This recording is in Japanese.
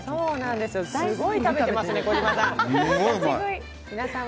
すごい食べてますね、児嶋さん。